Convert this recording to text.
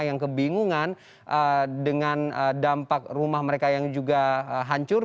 yang kebingungan dengan dampak rumah mereka yang juga hancur